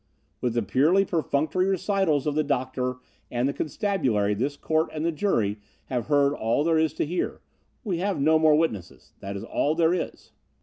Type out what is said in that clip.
With the purely perfunctory recitals of the doctor and the constabulary this court and the jury have heard all there is to hear. We have no more witnesses. That is all there is.